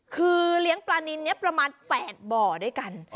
คือเลี้ยงปลานินนี้ประมาณ๘บ่อด้วยกัน